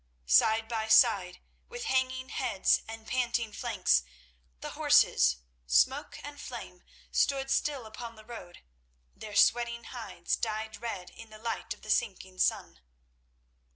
side by side, with hanging heads and panting flanks, the horses Smoke and Flame stood still upon the road, their sweating hides dyed red in the light of the sinking sun.